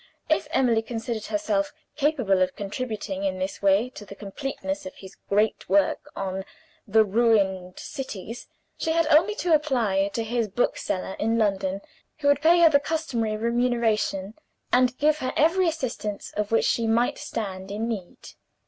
If Emily considered herself capable of contributing in this way to the completeness of his great work on "the ruined cities," she had only to apply to his bookseller in London, who would pay her the customary remuneration and give her every assistance of which she might stand in need.